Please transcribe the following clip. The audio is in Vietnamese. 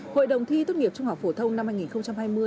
hội đồng thi tốt nghiệp trung học phổ thông năm hai nghìn hai mươi